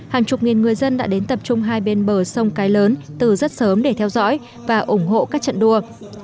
hàng chục nghìn người dân đã đến tập trung hai bên bờ sông cái lớn từ rất sớm để theo dõi và ủng hộ các trận đua